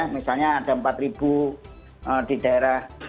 misalnya ada empat ribu di daerah